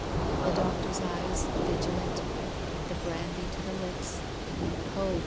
The doctor's eyes, vigilant ... the brandy to the lips !... Ho !